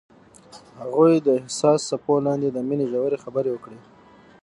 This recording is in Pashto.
هغوی د حساس څپو لاندې د مینې ژورې خبرې وکړې.